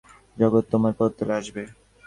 নিজেকে জয় কর, তা হলেই সমুদয় জগৎ তোমার পদতলে আসবে।